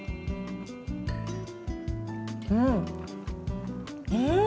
うんうん。